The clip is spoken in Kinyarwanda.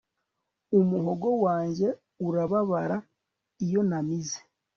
umuhogo wanjye urababara iyo namize